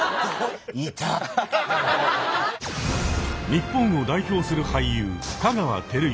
日本を代表する俳優香川照之。